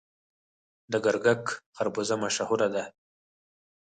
د ګرګک خربوزه مشهوره ده.